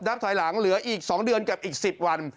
ถอยหลังเหลืออีก๒เดือนกับอีก๑๐วัน